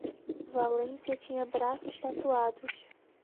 Valência tinha braços tatuados.